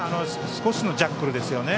少しのジャッグルですね。